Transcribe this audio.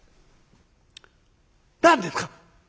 何ですか？」。